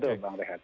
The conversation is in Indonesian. gitu bang rehat